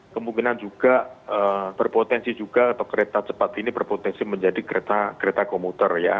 kemungkinan juga berpotensi juga atau kereta cepat ini berpotensi menjadi kereta komuter ya